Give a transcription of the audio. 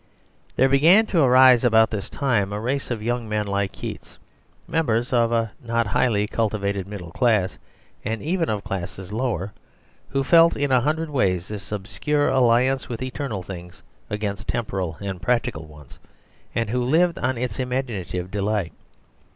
There began to arise about this time a race of young men like Keats, members of a not highly cultivated middle class, and even of classes lower, who felt in a hundred ways this obscure alliance with eternal things against temporal and practical ones, and who lived on its imaginative delight.